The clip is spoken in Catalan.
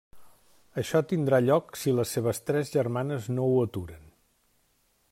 Això tindrà lloc si les seves tres germanes no ho aturen.